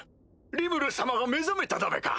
・リムル様が目覚めただべか？